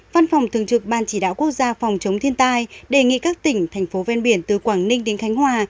văn phòng thường trực ban chỉ đạo quốc gia phòng chống thiên tai đề nghị các tỉnh thành phố ven biển từ quảng ninh đến khánh hòa